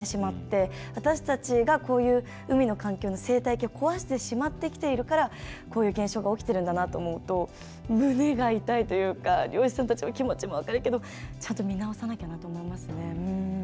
地球温暖化が進んでしまって私たちがこういう海の環境の生態系を壊してしまってきているからこういう現象が起きてるんだなと思うと胸が痛いというか漁師さんたちの気持ちも分かるけど、ちゃんと見直さなきゃなと思いますね。